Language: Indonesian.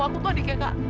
aku tuh adik kakak